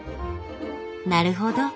なるほど。